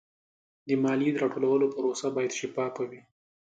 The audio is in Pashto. د مالیې د راټولولو پروسه باید شفافه وي.